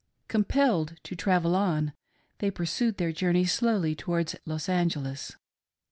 Compelled to travel on, they pursued their journey slowly towards Los Angeles.